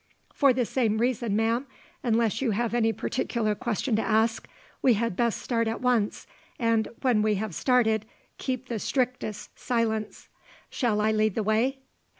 For the same reason, ma'am, unless you have any particular question to ask, we had best start at once, and, when we have started, keep the strictest silence. Shall I lead the way?"